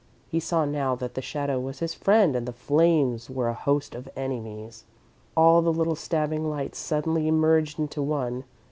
He saw now that the shadow was his friend and the flames were a host of enemies. All the little stabbing lights suddenly merged into one.